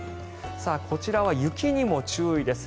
こちらは雪にも注意です。